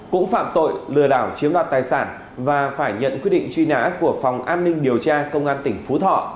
cũng phạm tội lừa đảo chiếm đoạt tài sản và phải nhận quyết định truy nã của phòng an ninh điều tra công an tỉnh phú thọ